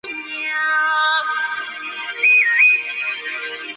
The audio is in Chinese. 魏斯可金融公司是一家总部位于加尼福尼亚州帕萨迪纳的多元化金融企业。